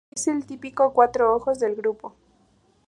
Es el típico cuatro-ojos del grupo.